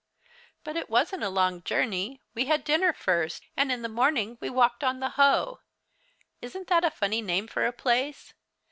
"But it wasn't a long journey. We had dinner first, and in the morning we walked on the Hoe. Isn't that a funny name for a place?